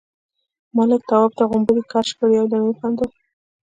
ملک، تواب تر غومبري کش کړ، يو دم يې وخندل: